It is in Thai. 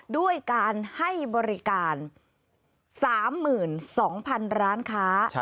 ด้วยการให้บริการ๓๒๐๐๐ร้านค้า